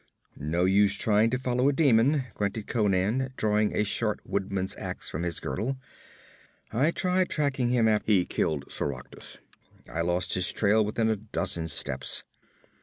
'No use to try to follow a demon,' grunted Conan, drawing a short woodsman's ax from his girdle. 'I tried tracking him after he killed Soractus. I lost his trail within a dozen steps.